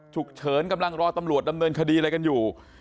กำลังรอตำรวจดำเนินคดีอะไรกันอยู่